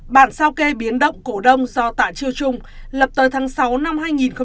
bản sao kê biến động cổ đông do tạ chiêu trung lập tới tháng sáu năm hai nghìn một mươi